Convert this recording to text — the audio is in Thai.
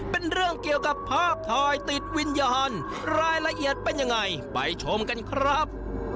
เป็นเรื่องเกี่ยวกับภาพถ่ายติดวิญญาณรายละเอียดเป็นยังไงไปชมกันครับ